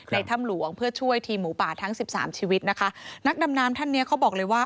ถ้ำหลวงเพื่อช่วยทีมหมูป่าทั้งสิบสามชีวิตนะคะนักดำน้ำท่านเนี้ยเขาบอกเลยว่า